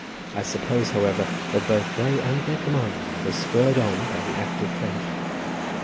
I suppose, however, that both they and their commander were spurred on by the active French."